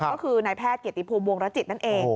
ก็คือนายแพทย์เกียรติภูมิวงรจิตนั่นเอง